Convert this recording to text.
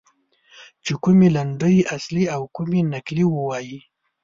چې کومې لنډۍ اصلي او کومې نقلي ووایي.